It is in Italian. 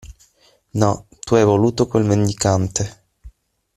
No, tu hai voluto quel mendicante.